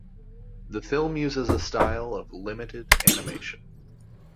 The film uses a style of limited animation.